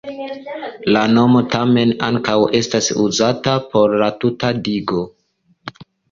La nomo tamen ankaŭ estas uzata por la tuta digo.